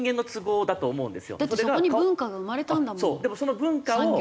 だってそこに文化が生まれたんだもん産業も。